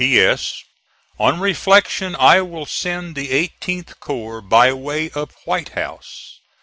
P. S. On reflection I will send the 18th corps by way of White House.